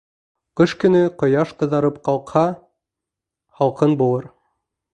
Ҡыш көнө ҡояш ҡыҙарып ҡалҡһа, һалҡын булыр.